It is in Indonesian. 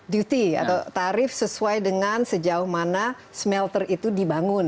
duty atau tarif sesuai dengan sejauh mana smelter itu dibangun